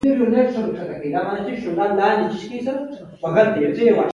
بیاباني مجلس په اشعارو ښه ګرم کړ.